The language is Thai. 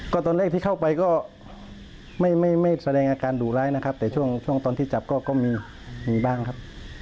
ก็ตอนแรกที่เข้าไปก็ไม่แสดงอาการดุร้ายนะครับแต่ช่วงตอนที่จับก็มีบ้างครับ